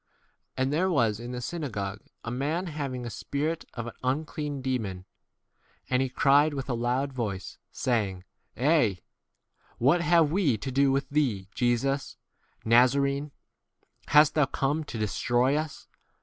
33 And there was in the synagogue a man having a spirit of an un clean demon, and he cried with a 34 loud voice, saying, Eh ! J what have we to do with thee, Jesus, Naza rene? hast thou come to destroy us